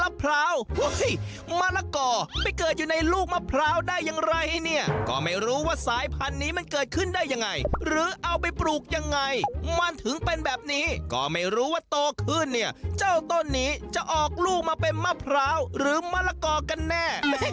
มะละกอไปเกิดอยู่ในลูกมะพร้าวได้อย่างไรเนี่ยก็ไม่รู้ว่าสายพันธุ์นี้มันเกิดขึ้นได้ยังไงหรือเอาไปปลูกยังไงมันถึงเป็นแบบนี้ก็ไม่รู้ว่าโตขึ้นเนี่ยเจ้าต้นนี้จะออกลูกมาเป็นมะพร้าวหรือมะละกอกันแน่